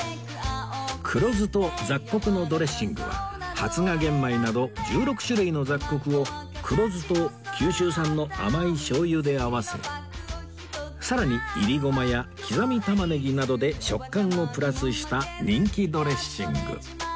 黒酢と雑穀のドレッシングは発芽玄米など１６種類の雑穀を黒酢と九州産の甘いしょう油で合わせさらにいりごまや刻み玉ねぎなどで食感をプラスした人気ドレッシング